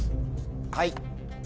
はい。